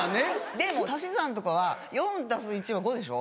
でも足し算とかは４＋１＝５でしょ。